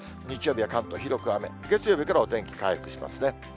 日曜日は関東広く雨、月曜日からお天気回復しますね。